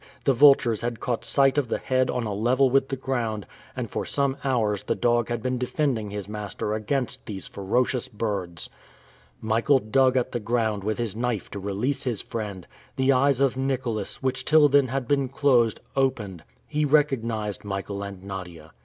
The vultures had caught sight of the head on a level with the ground, and for some hours the dog had been defending his master against these ferocious birds! Michael dug at the ground with his knife to release his friend! The eyes of Nicholas, which till then had been closed, opened. He recognized Michael and Nadia.